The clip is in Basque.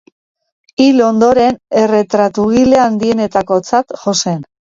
Hil ondoren, erretratugile handienetakotzat jo zen.